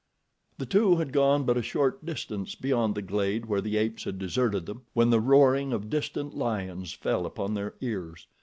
The two had gone but a short distance beyond the glade where the apes had deserted them, when the roaring of distant lions fell upon their ears.